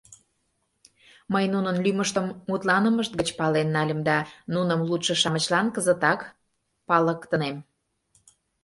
Мый нунын лӱмыштым мутланымышт гыч пален нальым да нуным лудшо-шамычлан кызытак палыктынем.